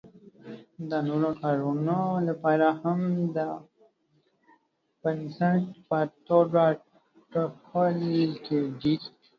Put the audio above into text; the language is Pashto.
د نورو کارونو لپاره هم د بنسټ په توګه ګڼل کیږي.